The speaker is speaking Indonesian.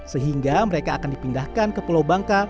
sehingga mereka akan dipindahkan ke pulau bangka